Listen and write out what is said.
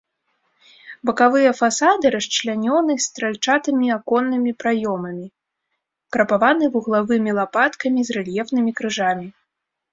Бакавыя фасады расчлянёны стральчатымі аконнымі праёмамі, крапаваны вуглавымі лапаткамі з рэльефнымі крыжамі.